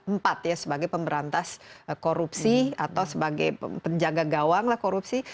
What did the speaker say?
empat ya sebagai pemberantas korupsi atau sebagai penjaga gawang lah korupsi